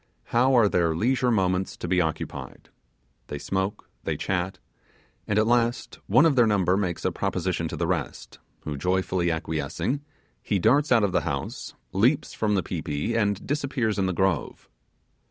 How are their leisure moments to be occupied? They smoke, they chat, and at last one of their number makes a proposition to the rest, who joyfully acquiescing, he darts out of the house, leaps from the pi pi, and disappears in the grove.